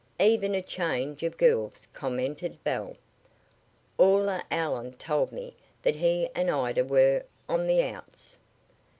"Even a change of girls," commented Belle. "Aula Allen told me that he and Ida were `on the outs.'"